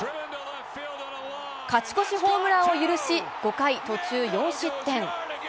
勝ち越しホームランを許し、５回途中４失点。